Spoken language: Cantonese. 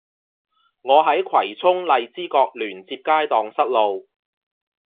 我喺葵涌荔枝角聯接街盪失路